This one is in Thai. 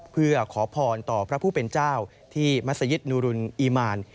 เพื่อขอพรต่อพระผู้เป็นเจ้าที่มัศยิตนุรุนอีมาน